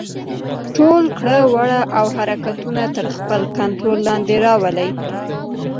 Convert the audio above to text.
ټول کړه وړه او حرکتونه يې تر خپل کنټرول لاندې راولي.